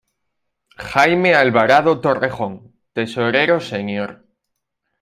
Jaime Alvarado Torrejón, Tesorero Sr.